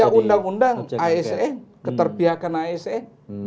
ya undang undang asn keterpihakan asn